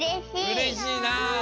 うれしいな！